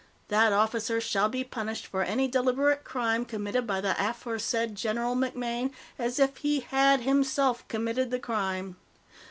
"That officer shall be punished for any deliberate crime committed by the aforesaid General MacMaine as if he had himself committed the crime.